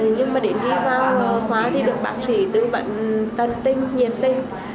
nhưng mà đến khi vào khóa thì được bác sĩ tư vận tân tình nhiệt tình